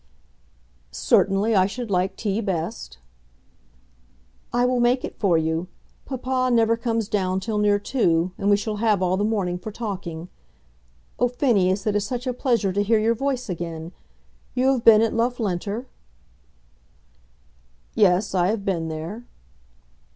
"Certainly, I should like tea best." "I will make it for you. Papa never comes down till near two, and we shall have all the morning for talking. Oh, Phineas, it is such a pleasure to hear your voice again. You have been at Loughlinter?" "Yes, I have been there."